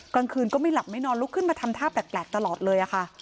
กลางคืนก็ไม่หลับไม่นอนลุกขึ้นมาทำท่าแปลกตลอดเลยค่ะ